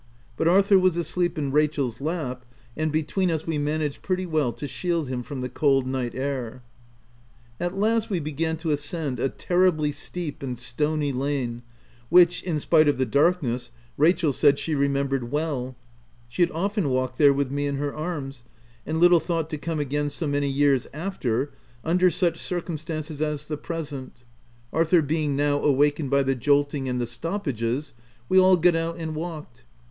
But Arthur was asleep in Rachel's lap, and between us we managed pretty well to shield him from the cold night air; At last we began to ascend a terribly steep and stony lane which, in spite of the darkness, Rachel said she remembered well: she had often walked there with me in her arms, and little thought to come again so many years after, under such circumstances as the present. OF WILDFELL HALL. 119 Arthur being now awakened by the jolting and* the stoppages, we all got out and walked.